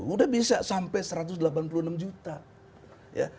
udah bisa sampai satu ratus delapan puluh enam juta